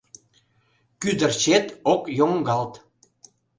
Кӱдырчет ок йоҥгалт